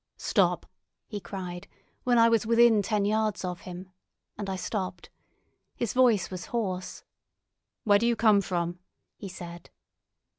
"Stop!" he cried, when I was within ten yards of him, and I stopped. His voice was hoarse. "Where do you come from?" he said.